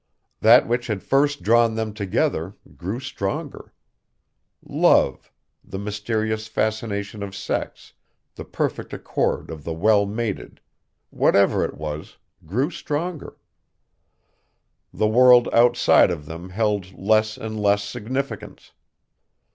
That which had first drawn them together grew stronger. Love, the mysterious fascination of sex, the perfect accord of the well mated whatever it was it grew stronger. The world outside of them held less and less significance.